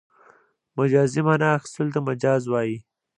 مجازي مانا اخستلو ته مجاز وايي.